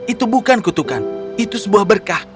itu bukan kutukan itu sebuah berkah